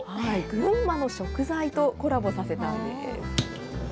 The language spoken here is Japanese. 群馬の食材とコラボさせたんです。